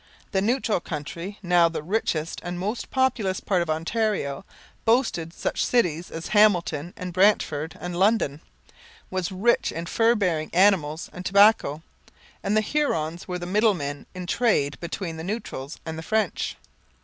The Neutral country, now the richest and most populous part of Ontario, boasting such cities as Hamilton and Brantford and London, was rich in fur bearing animals and tobacco; and the Hurons were the middlemen in trade between the Neutrals and the French.